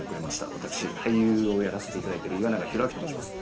私俳優をやらせて頂いてる岩永洋昭と申します。